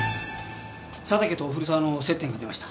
佐竹と古沢の接点が出ました。